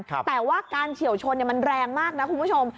แต่ว่าการเฉียวชนมันแรงมากนะคุณผู้ชม